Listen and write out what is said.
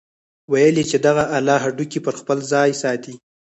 ويل يې چې دغه اله هډوکي پر خپل ځاى ساتي.